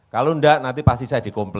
kalau enggak nanti pasti saya dikomplain